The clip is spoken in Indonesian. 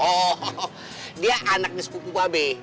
oh dia anak di sepupu baabeh